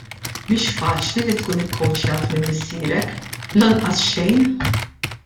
"" Mhix faċli li tkun ikkowċjat minn misserek, lanqas xejn!